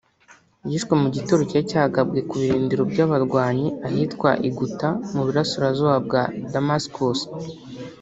’ yishwe mu gitero cyari cyagabwe ku birindiro by’abarwanyi ahitwa i Ghouta mu burasirazuba bwa Damascus